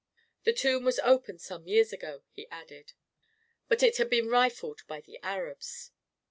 The tomb was opened some years ago," he added, " but it had been rifled by the Arabs."